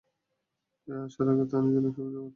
তাই আসার আগে তানির জন্য একটি ভিডিও বার্তা দিয়ে দেন সালমান।